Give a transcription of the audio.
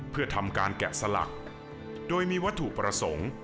เพื่อทำการแกะสลักโดยมีวัตถุประสงค์